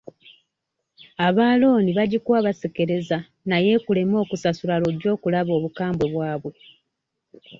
Aba looni bagikuwa basekereza naye ekuleme okusasula lw'ojja okulaba obukambwe bwabwe.